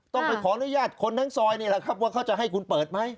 ต้องไปขออนุญาตคนทั้งซอยนี่แหละครับว่าเขาจะให้คุณเปิดไหม